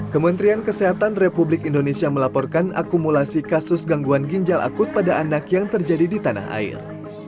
kementerian kesehatan republik indonesia melaporkan akumulasi kasus gangguan ginjal akut pada anak yang terjadi di tanah air